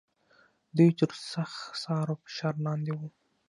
دوی تر سخت څار او فشار لاندې و.